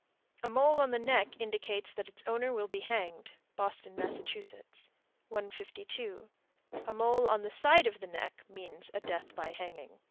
A mole on the neck indicates that its owner will be hanged. Boston, Mass. 152. A mole on the side of the neck means a death by hanging.